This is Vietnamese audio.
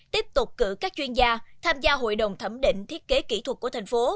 tiếp tục cử các chuyên gia tham gia hội đồng thẩm định thiết kế kỹ thuật của tp